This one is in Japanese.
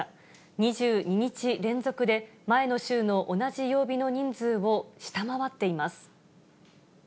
２２日連続で、前の週の同じ曜日の人数を下回っています。